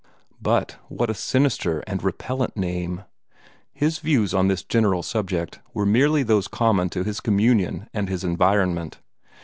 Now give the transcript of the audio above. But what a sinister and repellent name! His views on this general subject were merely those common to his communion and his environment.